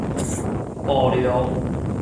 暴龍